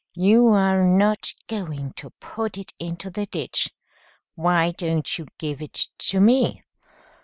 "You are not going to put it into the ditch. Why don't you give it to me?